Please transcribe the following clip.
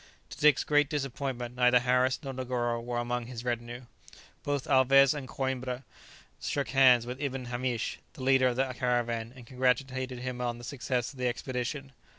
To Dick's great disappointment, neither Harris nor Negoro was among his retinue. Both Alvez and Coïmbra shook hands with Ibn Hamish, the leader of the caravan, and congratulated him on the success of the expedition.